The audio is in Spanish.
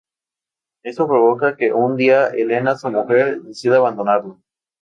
Esto provoca que un día Elena, su mujer, decida abandonarlo.